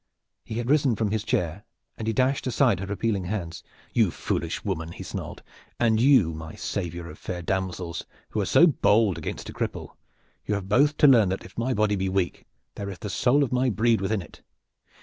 He had risen from his chair, and he dashed aside her appealing hands. "You foolish woman," he snarled, "and you, my savior of fair damsels, who are so bold against a cripple, you have both to learn that if my body be weak there is the soul of my breed within it!